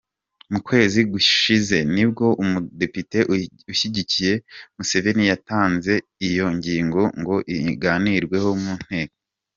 Mu kwezi gushize nibwo umudepite ushyigikiye Museveni yatanze iyo ngingo ngo iganirweho mu nteko.